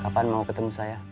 kapan akan ada waktu buat saya